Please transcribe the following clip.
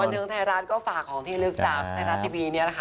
วันทึงไทยรัฐก็ฝากของที่ลึกจากไทยรัฐที่ปีนี้นะคะ